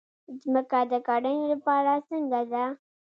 ځمکه د کرنې لپاره څنګه ده؟